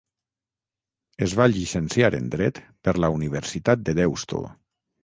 Es va llicenciar en Dret per la Universitat de Deusto.